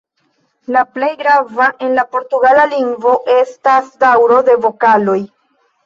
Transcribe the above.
La plej grava en la portugala lingvo estas daŭro de vokaloj.